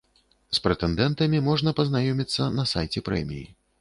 З прэтэндэнтамі можна пазнаёміцца на сайце прэміі.